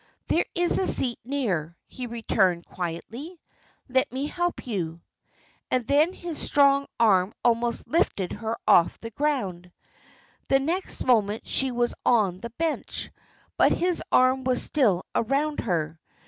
"There is a seat near," he returned, quietly; "let me help you." And then his strong arm almost lifted her off the ground. The next moment she was on the bench; but his arm was still around her.